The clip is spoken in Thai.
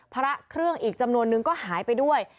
พระเครื่องอีกจำนวนนึงก็หายไปด้วย